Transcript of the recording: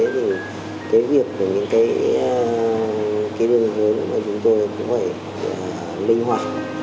thì cái việc của những cái đường hướng đó mà chúng tôi cũng phải linh hoạt